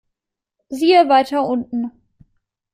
Siehe weiter unten.